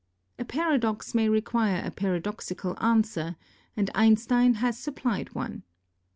A paradox may require a paradoxical answer, and Einstein has supplied one.